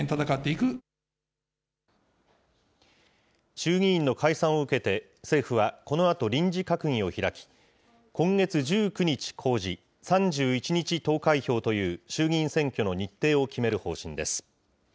衆議院の解散を受けて、政府はこのあと臨時閣議を開き、今月１９日公示、３１日投開票という衆議院選挙の日程を決める方針です。